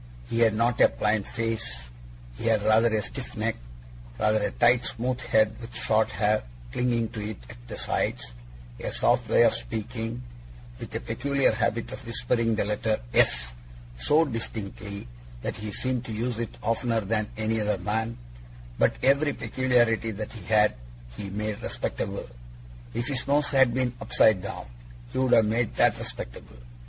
He had not a pliant face, he had rather a stiff neck, rather a tight smooth head with short hair clinging to it at the sides, a soft way of speaking, with a peculiar habit of whispering the letter S so distinctly, that he seemed to use it oftener than any other man; but every peculiarity that he had he made respectable. If his nose had been upside down, he would have made that respectable.